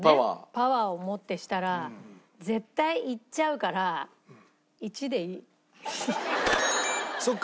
パワーをもってしたら絶対いっちゃうからそっか。